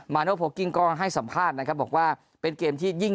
โนโพลกิ้งก็ให้สัมภาษณ์นะครับบอกว่าเป็นเกมที่ยิ่ง